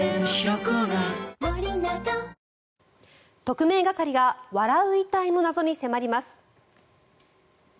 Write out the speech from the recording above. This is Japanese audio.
特命係が笑う遺体の謎に迫ります。